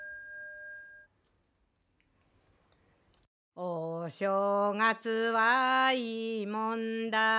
「お正月はいいもんだ」